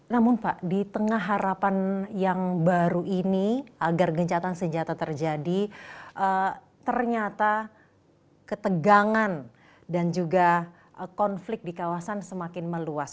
namun pak di tengah harapan yang baru ini agar gencatan senjata terjadi ternyata ketegangan dan juga konflik di kawasan semakin meluas